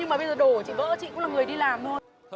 mà bây giờ đồ của chị vỡ chị cũng là người đi làm thôi